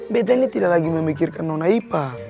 betta ini tidak lagi memikirkan nona ipa